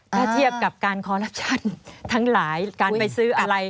ถ้าเทียบกับการคอลัปชั่นทั้งหลายการไปซื้ออะไร